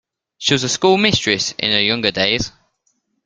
She was a schoolmistress in her younger days.